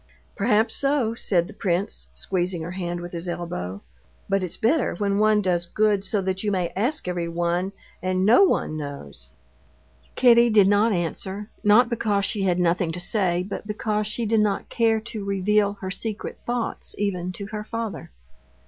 "Perhaps so," said the prince, squeezing her hand with his elbow; "but it's better when one does good so that you may ask everyone and no one knows." Kitty did not answer, not because she had nothing to say, but because she did not care to reveal her secret thoughts even to her father.